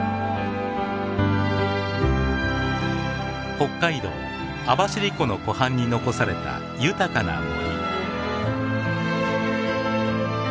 北海道網走湖の湖畔に残された豊かな森。